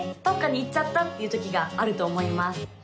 どっかに行っちゃったっていうときがあると思います